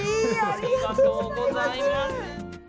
ありがとうございます。